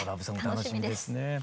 楽しみです。